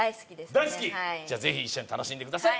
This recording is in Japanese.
大好きじゃあぜひ一緒に楽しんでください